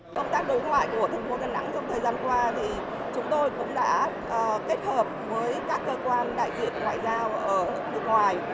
công tác đối ngoại của thành phố đà nẵng trong thời gian qua chúng tôi cũng đã kết hợp với các cơ quan đại diện ngoại giao ở nước ngoài